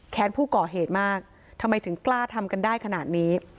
ผู้ก่อเหตุมากทำไมถึงกล้าทำกันได้ขนาดนี้